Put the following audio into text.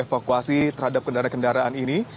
evakuasi terhadap kendaraan kendaraan ini